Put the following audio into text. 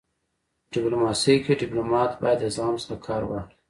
په ډيپلوماسی کي ډيپلومات باید د زغم څخه کار واخلي.